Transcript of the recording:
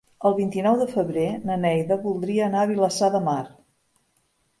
El vint-i-nou de febrer na Neida voldria anar a Vilassar de Mar.